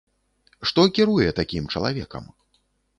Што кіруе такім чалавекам?